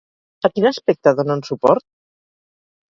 A quin aspecte donen suport?